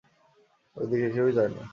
ঐ দিকে কেউই যায় না।